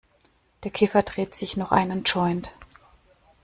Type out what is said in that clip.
Der Kiffer dreht sich noch einen Joint.